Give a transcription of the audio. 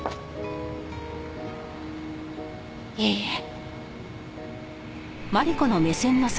いいえ。